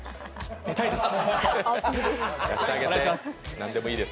出たいです。